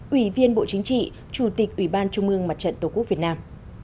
ủy viên bộ chính trị chủ tịch ủy ban trung ương mặt trận tổ quốc việt nam